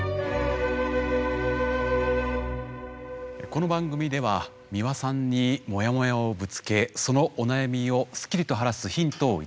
この番組では美輪さんにモヤモヤをぶつけそのお悩みをすっきりと晴らすヒントを頂きます。